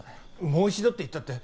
もう一度っていったって